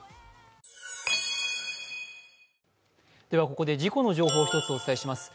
ここで事故の情報１つお伝えします。